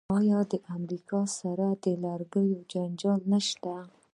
آیا د امریکا سره د لرګیو جنجال نشته؟